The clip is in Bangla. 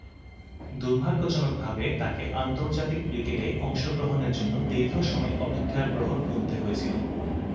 দূর্ভাগ্যজনকভাবে তাকে আন্তর্জাতিক ক্রিকেটে অংশগ্রহণের জন্যে দীর্ঘসময় অপেক্ষার প্রহর গুণতে হয়েছিল।